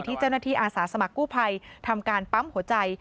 เจ้าหน้าที่อาสาสมัครกู้ภัยทำการปั๊มหัวใจ